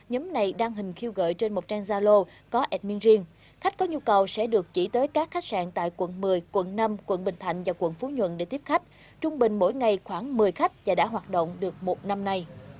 hãy đăng ký kênh để ủng hộ kênh của chúng mình nhé